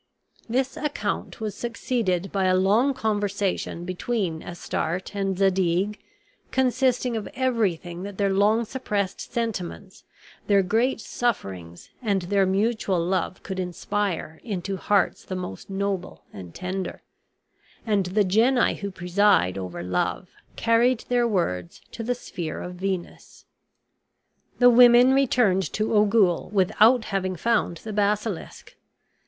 This account was succeeded by a long conversation between Astarte and Zadig, consisting of everything that their long suppressed sentiments, their great sufferings, and their mutual love could inspire into hearts the most noble and tender; and the genii who preside over love carried their words to the sphere of Venus. The women returned to Ogul without having found the basilisk.